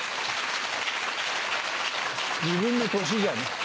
自分の年じゃねえ？